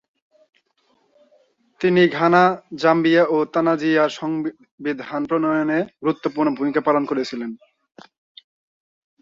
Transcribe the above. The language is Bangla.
তিনি ঘানা, জাম্বিয়া ও তানজানিয়ার সংবিধান প্রণয়নে গুরুত্বপূর্ণ ভূমিকা পালন করেছিলেন।